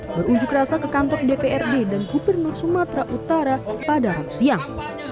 berunjuk rasa ke kantor dprd dan gubernur sumatera utara pada rabu siang